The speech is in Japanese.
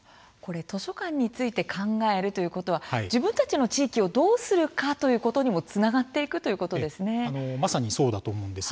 図書館について考えるということは自分たちの地域をどうするかということにもつながっていくまさにそうだと思います。